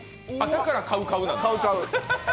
だから「買う」「買う」なんだ。